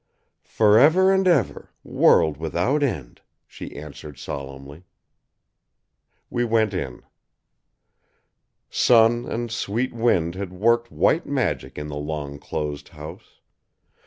"Forever and ever, world without end," she answered solemnly. We went in. Sun and sweet wind had worked white magic in the long closed house.